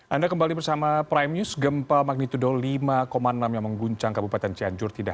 anda kembali bersama prime news gempa magnitudo lima enam yang mengguncang kabupaten cianjur tidak